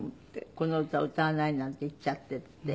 この歌を歌わないなんて言っちゃってって？